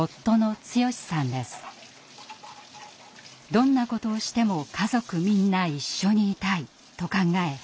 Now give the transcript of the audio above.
どんなことをしても家族みんな一緒にいたいと考え